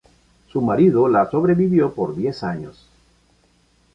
Su marido la sobrevivió por diez años.